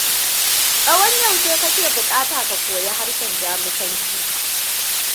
Tsawon yaushe kake bukata ka koyi harshen Jamusanci?